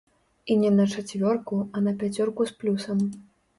І не на чацвёрку, а на пяцёрку з плюсам.